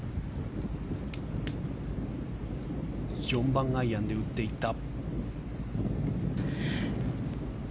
４番アイアンで打っていった。